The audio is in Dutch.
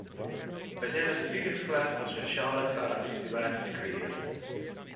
Wij zijn er dus niet in geslaagd een sociaal rechtvaardige situatie te creëren.